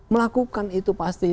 melakukan itu pasti